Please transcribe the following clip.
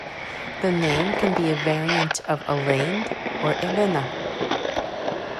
The name can be a variant of Elaine or Elena.